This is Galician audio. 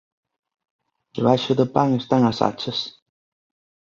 Debaixo do pan están as achas